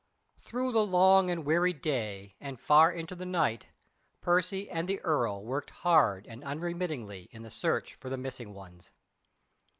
Through the long and weary day and far into the night Percy and the earl worked hard and unremittingly in the search for the missing ones.